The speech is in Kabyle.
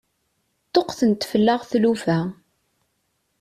Ṭṭuqqtent fell-aɣ tlufa.